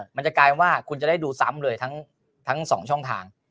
มันจะกลายว่าคุณจะได้ดูซ้ำเลยทั้ง๒ช่องทาง